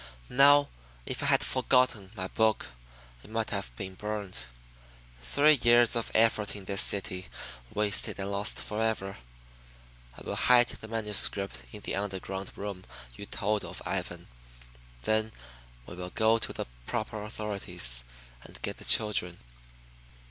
Now if I had forgotten my book, it might have been burned; three years of effort in this city wasted and lost forever! I will hide the manuscript in the underground room you told of, Ivan, then we will go to the proper authorities, and get the children."